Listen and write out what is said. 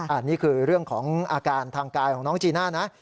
อันนี้คือเรื่องของอาการทางกายของน้องจีน่านะ